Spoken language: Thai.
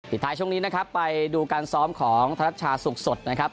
สุดท้ายช่วงนี้นะครับไปดูการซ้อมของธนัชชาสุขสดนะครับ